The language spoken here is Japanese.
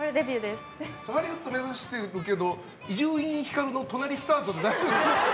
ハリウッド目指してるけど伊集院光の隣スタートで大丈夫？